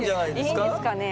いいんですかね？